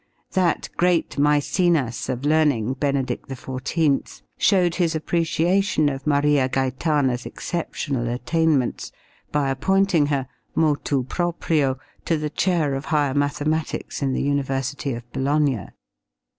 That great Mæcenas of learning, Benedict XIV, showed his appreciation of Maria Gaetana's exceptional attainments by appointing her motu proprio to the chair of higher mathematics in the University of Bologna.